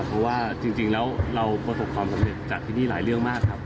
เพราะว่าจริงแล้วเราประสบความสำเร็จจากที่นี่หลายเรื่องมากครับ